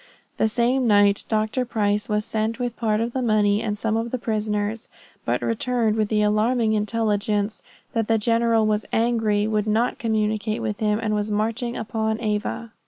The same night, Dr. Price was sent with part of the money, and some of the prisoners, but returned with the alarming intelligence, that the general was angry, would not communicate with him, and was marching upon Ava.